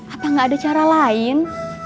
apa nggak ada cara lain